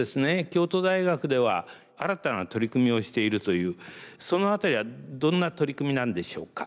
京都大学では新たな取り組みをしているというその辺りはどんな取り組みなんでしょうか？